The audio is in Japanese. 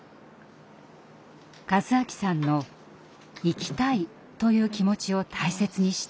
和明さんの「生きたい」という気持ちを大切にしたい両親。